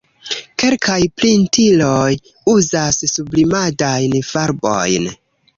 Kelkaj printiloj uzas sublimadajn farbojn.